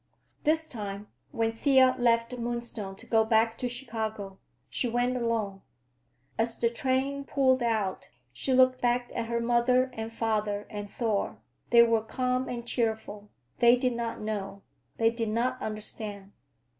This time, when Thea left Moonstone to go back to Chicago, she went alone. As the train pulled out, she looked back at her mother and father and Thor. They were calm and cheerful; they did not know, they did not understand.